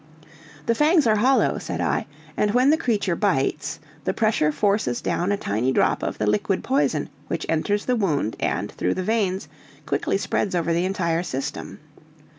"The fangs are hollow," said I, "and when the creature bites, the pressure forces down a tiny drop of the liquid poison which enters the wound, and, through the veins, quickly spreads over the entire system.